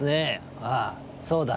「ああそうだろ」。